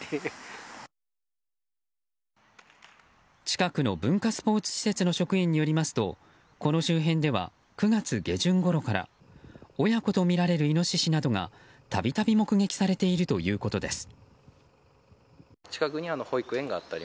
近くの文化スポーツ施設の職員によりますとこの周辺では９月下旬ごろから親子とみられるイノシシなどが度々目撃されているということです。